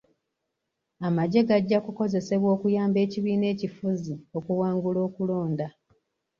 Amagye gajja kukozesebwa okuyamba ekibiina ekifuzi okuwangula okulonda.